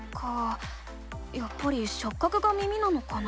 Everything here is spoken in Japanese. やっぱりしょっ角が耳なのかな？